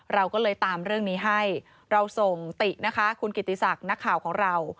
เราก็เลยตามเรื่องนี้ให้เราส่งตินะคะคุณกิติศักดิ์นักข่าวของเรา